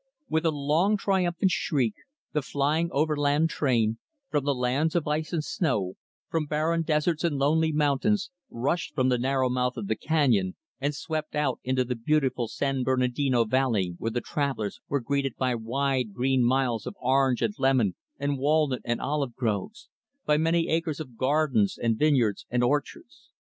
With a long, triumphant shriek, the flying overland train from the lands of ice and snow from barren deserts and lonely mountains rushed from the narrow mouth of the canyon, and swept out into the beautiful San Bernardino Valley where the travelers were greeted by wide, green miles of orange and lemon and walnut and olive groves by many acres of gardens and vineyards and orchards.